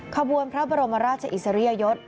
ขบวนพระบรมราชอิสริยยศ